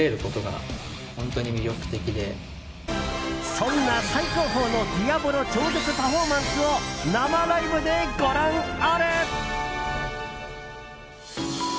そんな最高峰のディアボロ超絶パフォーマンスを生ライブでご覧あれ！